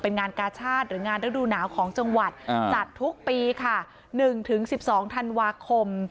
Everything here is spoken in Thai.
เป็นงานกาชาติหรืองานฤดูหนาวของจังหวัดจัดทุกปีค่ะ๑๑๒ธันวาคม